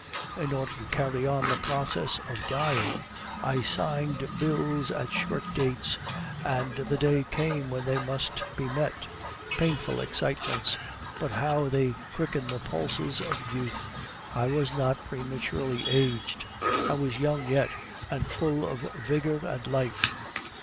In order to carry on the process of dying, I signed bills at short dates, and the day came when they must be met. Painful excitements! but how they quicken the pulses of youth! I was not prematurely aged; I was young yet, and full of vigor and life.